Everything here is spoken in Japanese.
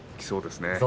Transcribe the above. そうですね。